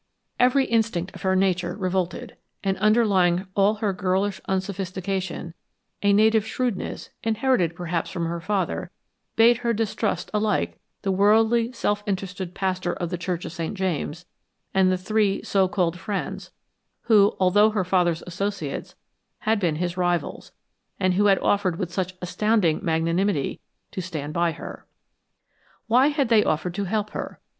Every instinct of her nature revolted, and underlying all her girlish unsophistication, a native shrewdness, inherited perhaps from her father, bade her distrust alike the worldly, self interested pastor of the Church of St. James and the three so called friends, who, although her father's associates, had been his rivals, and who had offered with such astounding magnanimity to stand by her. Why had they offered to help her?